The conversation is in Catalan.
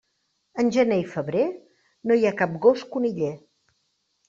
En gener i febrer, no hi ha cap gos coniller.